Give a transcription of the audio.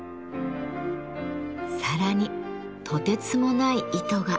さらにとてつもない糸が。